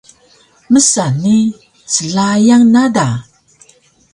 msa ni slayan na da